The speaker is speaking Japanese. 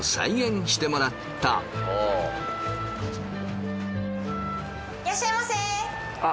いらっしゃいませ。